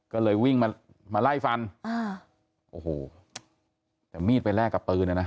ก็เลยวิ่งมามาไล่ฟันอ่าโอ้โหแต่มีดไปแลกกับปืนอ่ะนะ